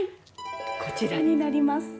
こちらになります。